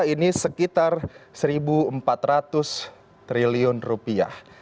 ini sekitar satu empat ratus triliun rupiah